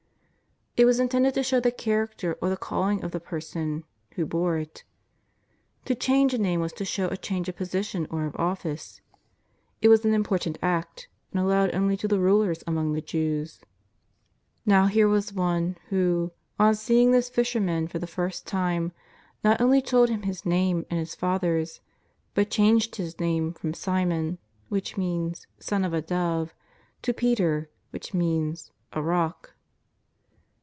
It was intended to show the character or the calling of the person who bore it. To change a name was to show a change of position or of office. It was an important act, and al lowed only to the rulers among the Jews. Now here was One who, on seeing this fisherman for the first time, not only told him his name and his father's, but changed his name from Simon, which means " Son of a dove," to Peter, which means " a Pock."